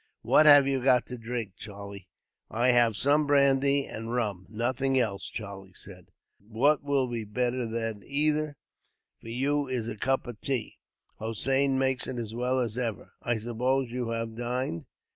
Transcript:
"What have you got to drink, Charlie?" "I have some brandy and rum; nothing else," Charlie said. "But what will be better than either for you is a cup of tea. Hossein makes it as well as ever. I suppose you have dined?"